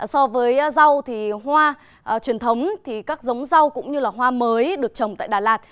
so với rau thì hoa truyền thống thì các giống rau cũng như là hoa mới được trồng tại đà lạt